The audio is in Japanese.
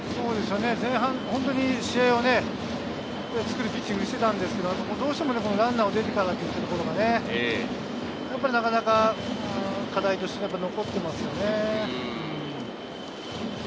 前半本当に試合を作るピッチングをしていたんですけれど、どうしてもランナーが出てからっていうのがね、やっぱりなかなか課題として残ってますよね。